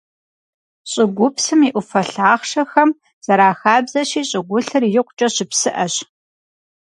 ЩӀыгупсым и Ӏуфэ лъахъшэхэм, зэрахабзэщи, щӀыгулъыр икъукӀэ щыпсыӀэщ.